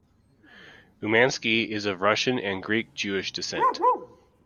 Umansky is of Russian and Greek Jewish descent.